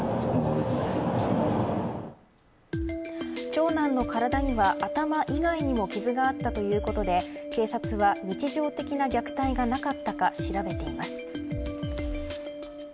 長男の体には、頭以外にも傷があったということで警察は日常的な虐待がなかったか調べています。